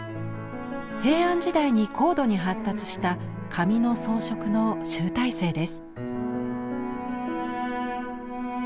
平安時代に高度に発達した紙の装飾の集大成です。